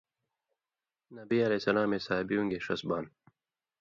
نبی علیہ سلامے صحابؤں گے ݜس بانیۡ